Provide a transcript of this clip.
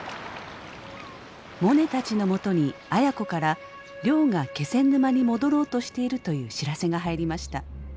モネたちのもとに亜哉子から亮が気仙沼に戻ろうとしているという知らせが入りました。